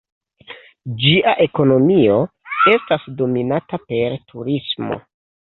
Ĝia ekonomio estas dominata per turismo.